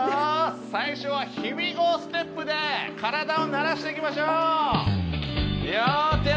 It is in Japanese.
最初はヒュイゴーステップで体を慣らしていきましょう。